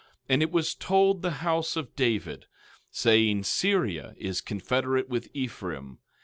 17:2 And it was told the house of David, saying: Syria is confederate with Ephraim.